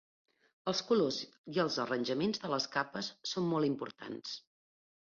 Els colors i els arranjaments de les capes són molt importants.